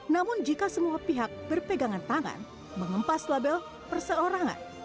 namun jika semua pihak berpegangan tangan mengempas label perseorangan